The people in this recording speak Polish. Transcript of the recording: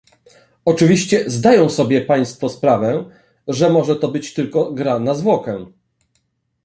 Oczywiście zdają sobie państwo sprawę, że może to być tylko gra na zwłokę